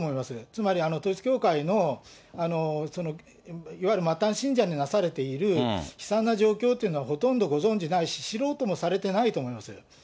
つまり統一教会のいわゆる末端信者になされている悲惨な状況というのは、ほとんどご存じないし、知ろうともされてないと思います。